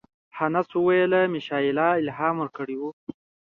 هانس وویل میشایلا الهام ورکړی و.